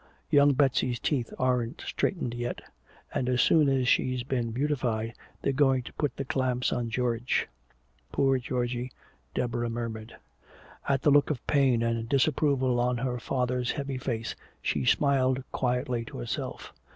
Young Betsy's teeth aren't straightened yet and as soon as she's been beautified they're going to put the clamps on George." "Poor Georgie," Deborah murmured. At the look of pain and disapproval on her father's heavy face, she smiled quietly to herself.